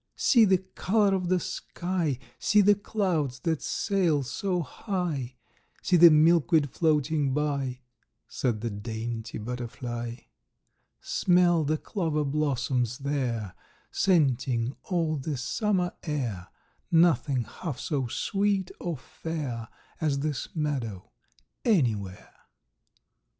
"See the color of the sky; See the clouds that sail so high; See the milkweed floating by"— Said the dainty butterfly. "Smell the clover blossoms there, Scenting all the summer air; Nothing half so sweet or fair, As this meadow, anywhere!"